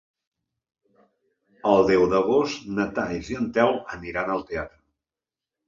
El deu d'agost na Thaís i en Telm aniran al teatre.